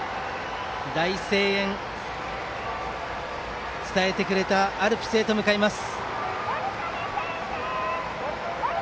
大声援、伝えてくれたアルプスへ向かいます。